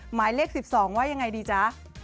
หมายเลข๑๒ว่ายังไงดีจ๊ะ